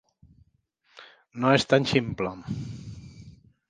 No és tan ximple.